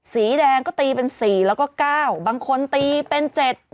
สีแดงก็ตีเป็น๔แล้วก็๙บางคนตีเป็น๗